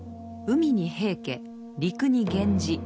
海に平家陸に源氏。